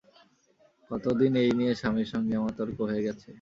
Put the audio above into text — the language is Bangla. কত দিন এই নিয়ে স্বামীর সঙ্গে আমার তর্ক হয়ে গেছে।